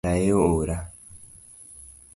Erae ora